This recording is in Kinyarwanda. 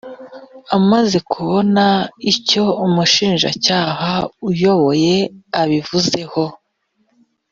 amaze kubona icyo umushinjacyaha uyoboye abivuzeho